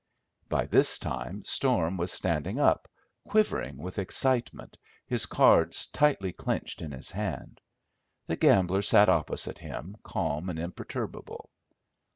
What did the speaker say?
By this time Storm was standing up, quivering with excitement, his cards tightly clenched in his hand. The gambler sat opposite him calm and imperturbable.